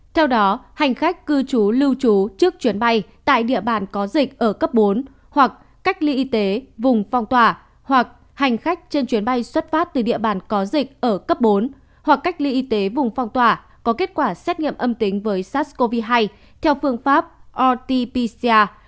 theo đó hành khách cư trú lưu trú trước chuyến bay tại địa bàn có dịch ở cấp bốn hoặc cách ly y tế vùng phong tỏa hoặc hành khách trên chuyến bay xuất phát từ địa bàn có dịch ở cấp bốn hoặc cách ly y tế vùng phong tỏa có kết quả xét nghiệm âm tính với sars cov hai theo phương pháp rt pcr